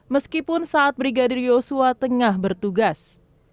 meskipun saat brigadir yosua tengah bertugas